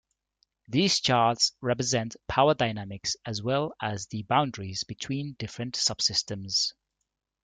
These charts represent power dynamics as well as the boundaries between different subsystems.